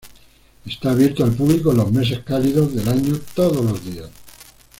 Está abierto al público en los meses cálidos del año todos los días.